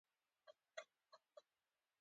متل دی: پردۍ ډوډۍ تر زرمنه تیږه لاندې ده.